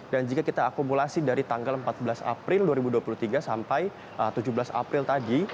dan jika kita akumulasi dari tanggal empat belas april dua ribu dua puluh tiga sampai tujuh belas april tadi